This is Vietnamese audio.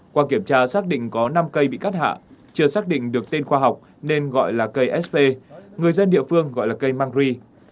qua kiểm tra xác định có năm cây bị cắt hạ chưa xác định được tên khoa học nên gọi là cây sv người dân địa phương gọi là cây macri